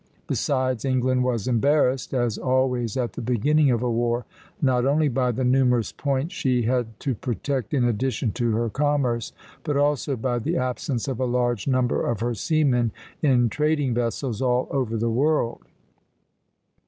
Besides, England was embarrassed, as always at the beginning of a war, not only by the numerous points she had to protect in addition to her commerce, but also by the absence of a large number of her seamen in trading vessels all over the world.